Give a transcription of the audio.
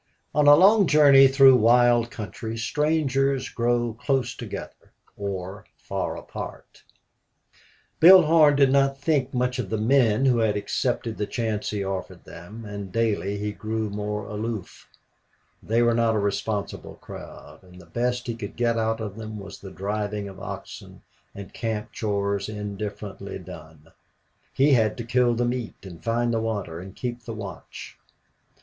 On a long journey through wild country strangers grow close together or far apart. Bill Horn did not think much of the men who had accepted the chance he offered them, and daily he grew more aloof. They were not a responsible crowd, and the best he could get out of them was the driving of oxen and camp chores indifferently done. He had to kill the meat and find the water and keep the watch.